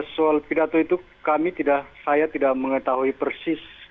soal pidato itu kami tidak saya tidak mengetahui persis